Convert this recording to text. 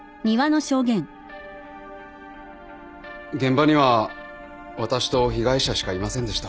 現場には私と被害者しかいませんでした。